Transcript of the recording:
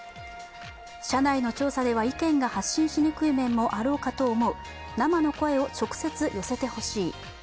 社内の調査では意見が発信しにくい面もあろうかと思う、生の声を直接寄せてほしい。